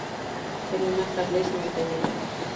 Celina Carles Montenegro.